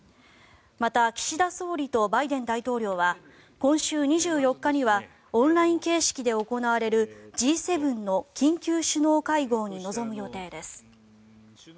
また岸田総理とバイデン大統領は今週２４日にはオンライン形式で行われるＧ７の緊急首脳会合に臨む予定です。